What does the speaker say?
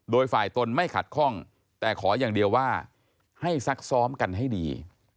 โดยฝ่ายตนไม่ขัดข้องแต่ขออย่างเดียวว่าให้ซักซ้อมกันให้ดี